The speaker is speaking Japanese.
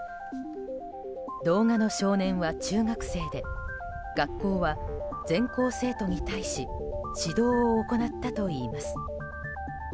動画の少年は中学生で学校は全校生徒に対し指導を行ったといいます。